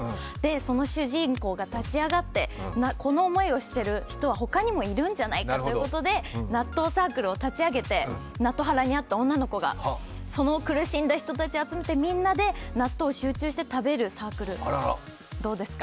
その主人公が立ち上がって、こんな思いをしている人はほかにもいるんじゃないかということで納豆サークルを立ち上げてナトハラにあった女の子がその苦しんだ人たちを集めてみんなで納豆を集中して食べるサークル、どうですか？